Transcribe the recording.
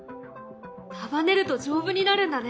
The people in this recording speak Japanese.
束ねると丈夫になるんだね。